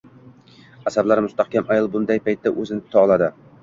Asablari mustahkam ayol bunday paytda o‘zini tuta oladi.